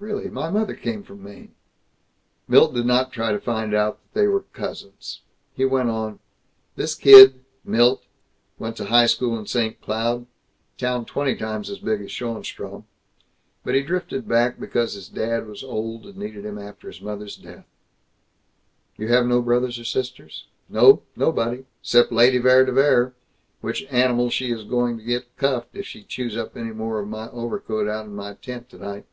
"Really? My mother came from Maine." Milt did not try to find out that they were cousins. He went on, "This kid, Milt, went to high school in St. Cloud town twenty times as big as Schoenstrom but he drifted back because his dad was old and needed him, after his mother's death " "You have no brothers or sisters?" "No. Nobody. 'Cept Lady Vere de Vere which animal she is going to get cuffed if she chews up any more of my overcoat out in my tent tonight!...